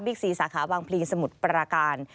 บิกซีสาขาวางพลีสมุดปราการ